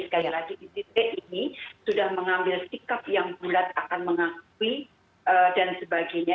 sekali lagi isi t ini sudah mengambil sikap yang bulat akan mengakui dan sebagainya